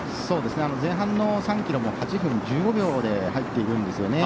前半の３ｋｍも８分１５秒で入っているんですね。